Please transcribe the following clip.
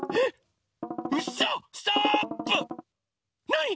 なに？